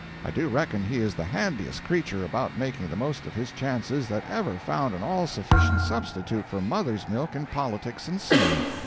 I do reckon he is the handiest creature about making the most of his chances that ever found an all sufficient substitute for mother's milk in politics and sin.